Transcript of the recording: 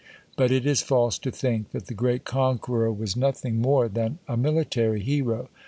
(8) But it is false to think that the great conqueror was nothing more than a military hero.